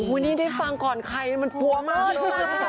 วันนี้ได้ฟังก่อนใครมันปั๊วมากเลย